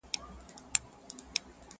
زه چي ګورمه موږ هم یو ځان وهلي٫